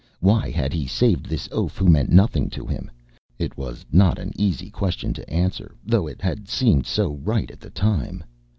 Why had he saved this oaf who meant nothing to him? It was not an easy question to answer, though it had seemed so right at the time.